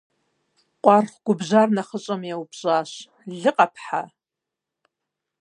Къуаргъ губжьар нэхъыщӀэм еупщӀащ: - Лы къэпхьа?